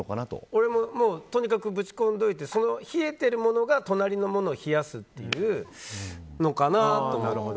俺もとにかくぶち込んどいて冷えてるものが隣のものを冷やすのかなと。